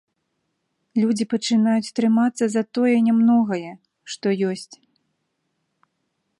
Людзі пачынаюць трымацца за тое нямногае, што ёсць.